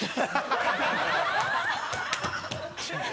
ハハハ